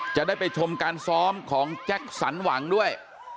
จะได้ไปชมการซ้อมของแจ็คสันหวังด้วย